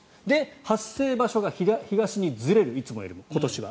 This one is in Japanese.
発生場所が東にずれるいつもよりも、今年は。